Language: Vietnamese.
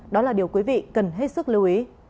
đó là điều quý vị cần hết sức lưu ý